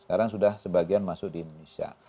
sekarang sudah sebagian masuk di indonesia